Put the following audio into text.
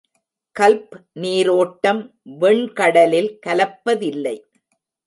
கல்ப் நீரோட்டம் வெண்கடலில் கலப்பதில்லை.